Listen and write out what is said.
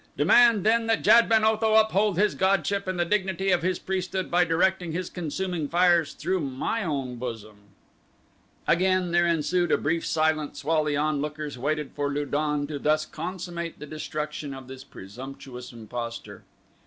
Demand then that Jad ben Otho uphold his godship and the dignity of his priesthood by directing his consuming fires through my own bosom." Again there ensued a brief silence while the onlookers waited for Lu don to thus consummate the destruction of this presumptuous impostor.